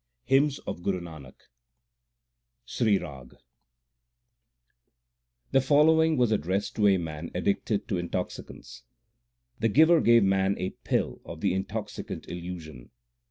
HYMNS OF GURU NANAK SRI RAG THE following was addressed to a man addicted to intoxicants : The Giver gave man a pill of the intoxicant illusion.